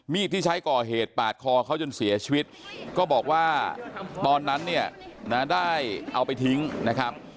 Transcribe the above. ที่ใช้ก่อเหตุปาดคอเขาจนเสียชีวิตก็บอกว่าตอนนั้นเนี่ยนะได้เอาไปทิ้งนะครับ